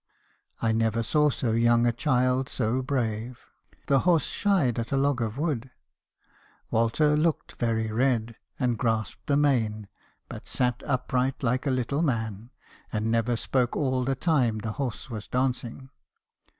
I never saw so young a child so brave. The horse shied at a log of wood. Walter looked very red, and grasped the mane , but sat upright like a little man, and never spoke all the time the horse was dancing.